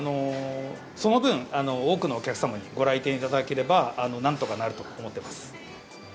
その分、多くのお客様にご来店いただければ、なんとかなると思ってます。